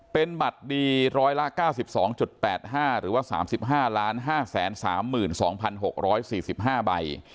เป็นบัตรดีร้อยละเก้าสิบสองจุดแปดห้าหรือว่าสามสิบห้าล้านห้าแสนสามหมื่นสองพันหกหร้อยสี่สิบห้าใบ